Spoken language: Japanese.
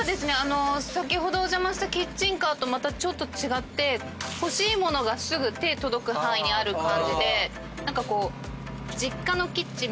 先ほどお邪魔したキッチンカーとまたちょっと違って欲しい物がすぐ手届く範囲にある感じで何かこう実家のキッチンみたいな。